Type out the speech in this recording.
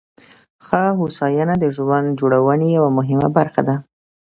ښه هوساینه د ژوند جوړونې یوه مهمه برخه ده.